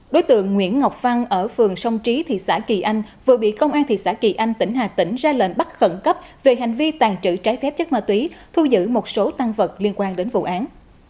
đối tượng nguyễn ngọc văn ở phường sông trí thị xã kỳ anh vừa bị công an thị xã kỳ anh tỉnh hà tĩnh ra lệnh bắt khẩn cấp về hành vi tàn trữ trái phép chất ma túy thu giữ một số tăng vật liên quan đến vụ án